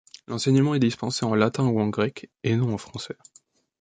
L'enseignement est dispensé en latin ou en grec, et non en français.